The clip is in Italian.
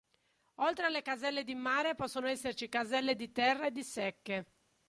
Oltre alle caselle di mare possono esserci caselle di terra e di secche.